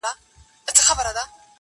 زه به لار د ښار له خلکو کړمه ورکه،